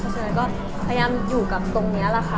เพราะฉะนั้นก็พยายามอยู่กับตรงนี้แหละค่ะ